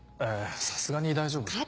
いやさすがに大丈夫。